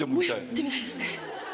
見てみたいですね。